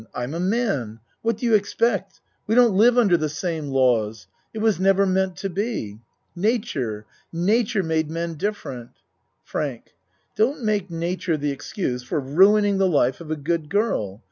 ii2 A MAN'S WORLD I'm a man. What do you expect? We don't live under the same laws. It was never meant to be. Nature, nature made men different. FRANK Don't make nature the excuse for ruin ing the life of a good girl.